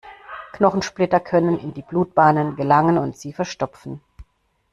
Knochensplitter können in die Blutbahnen gelangen und sie verstopfen.